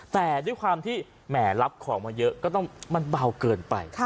แต่ด้วยความที่แหมรับของมาเยอะก็ต้องมันเบาเกินไป